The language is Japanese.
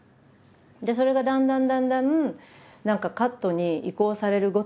それがだんだんだんだん何かカットに移行されるごとに